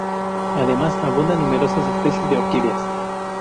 Además, abundan numerosas especies de orquídeas.